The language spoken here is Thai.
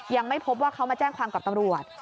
ยังไม่พบว่าเขามาแจ้งความกับตำรวจ